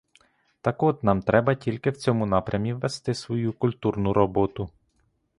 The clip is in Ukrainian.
Так от нам треба тільки в цьому напрямі вести свою культурну роботу.